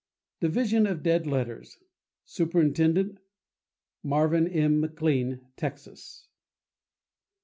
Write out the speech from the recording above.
Division of Dead Letters.— Superintendent.—Marvin M. McLean, Texas.